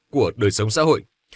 của đời sống xã hội